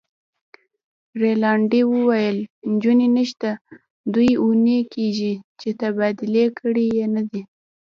رینالډي وویل: نجونې نشته، دوې اونۍ کیږي چي تبدیلي کړي يې نه دي.